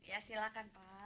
ya silakan pak